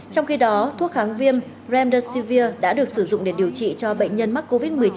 trong khi đó thuốc kháng viêm remdesivir đã được sử dụng để điều trị cho bệnh nhân mắc covid một mươi chín